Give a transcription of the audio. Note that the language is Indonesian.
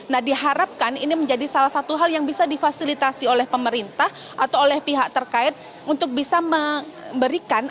nah diharapkan ini menjadi salah satu hal yang bisa difasilitasi oleh pemerintah atau oleh pihak terkait untuk bisa memberikan